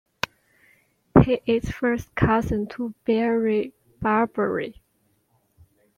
He is first cousin to Barrie Barbary.